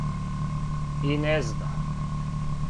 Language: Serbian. И не зна.